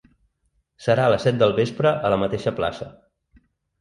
Serà a les set del vespre a la mateixa plaça.